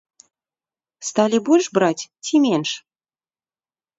Сталі больш браць ці менш?